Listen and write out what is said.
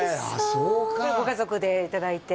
そうかご家族でいただいて？